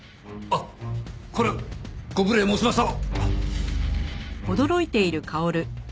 あっこれはご無礼申しました！